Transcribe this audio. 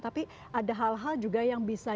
tapi ada hal hal juga yang bisa